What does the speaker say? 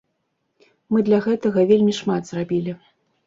Мы для гэтага вельмі шмат зрабілі.